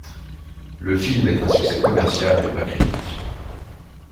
Le film est un succès commercial mais pas critique.